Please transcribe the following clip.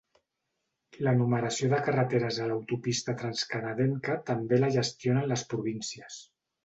La numeració de carreteres a l'autopista transcanadenca també la gestionen les províncies.